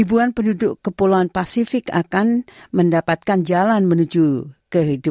saya pikir itu adalah sebuah fitur